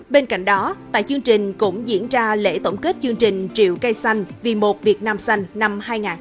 bên cạnh đó tại chương trình cũng diễn ra lễ tổng kết chương trình triệu cây xanh vì một việt nam xanh năm hai nghìn hai mươi